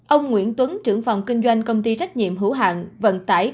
ông nguyễn tuấn trưởng phòng kinh doanh công ty trách nhiệm hữu hạng vận tải